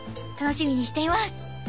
楽しみにしています！